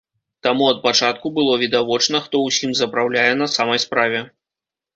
Таму ад пачатку было відавочна, хто ўсім запраўляе на самай справе.